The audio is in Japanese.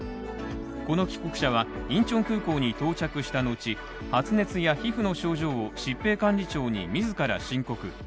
この帰国者はインチョン空港に到着した後、発熱や皮膚の症状を疾病管理庁に自ら申告。